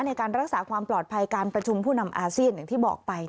ในการรักษาความปลอดภัยการประชุมผู้นำอาเซียนอย่างที่บอกไป